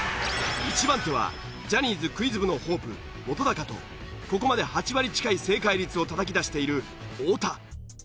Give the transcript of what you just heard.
１番手はジャニーズクイズ部のホープ本とここまで８割近い正解率をたたき出している太田。